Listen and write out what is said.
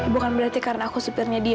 bukan berarti karena aku supirnya dia